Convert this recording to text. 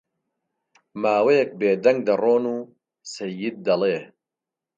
ماوەیەک بێ دەنگ دەڕۆن و سەید دەڵێ: